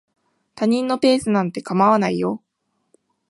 他人のペースなんて構わないよ。